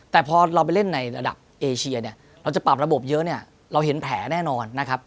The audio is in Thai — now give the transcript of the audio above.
แต่พอเราไปเล่นในระดับเอเชียเนี่ยเราจะปรับระบบเยอะเนี่ยเราเห็นแผลแน่นอนนะครับ